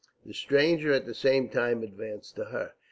The stranger at the same time advanced to her.